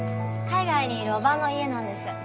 海外にいる伯母の家なんです。